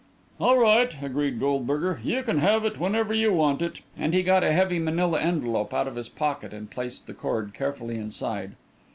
"All right," agreed Goldberger; "you can have it whenever you want it," and he got a heavy manila envelope out of his pocket and placed the cord carefully inside.